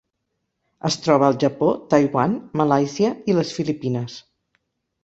Es troba al Japó, Taiwan, Malàisia i les Filipines.